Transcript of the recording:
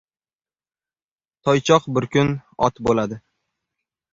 • Toychoq bir kun ot bo‘ladi.